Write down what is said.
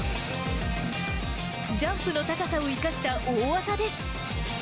ジャンプの高さを生かした大技です。